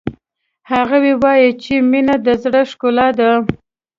هغوی وایي چې مینه د زړه ښکلا ده